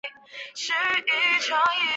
亦有说法认为他在道明寺之役即已战死。